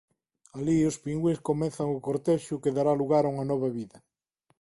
Alí os pingüíns comezan o cortexo que dará lugar a unha nova vida.